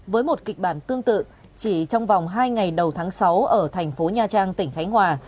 với một kịch bản tương tự chỉ trong vòng hai ngày đầu tháng sáu ở thành phố nha trang tỉnh khánh hòa